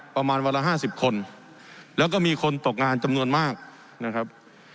ประมาณวันละ๕๐คนแล้วก็มีคนตกงานจำนวนมากนะครับ